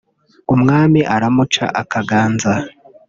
umwami aramuca akaganza”